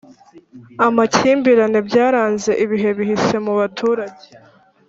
amakimbirane byaranze ibihe bihise mubaturage